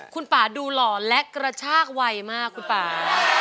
คุณป่าดูหล่อและกระชากไวมากคุณป่า